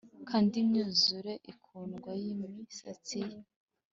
kandi imyuzure ikundwa yimisatsi ye.